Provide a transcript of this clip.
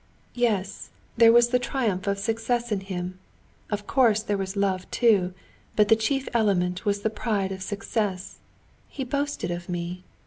"Yes, there was the triumph of success in him. Of course there was love too, but the chief element was the pride of success. He boasted of me.